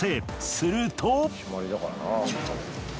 すると。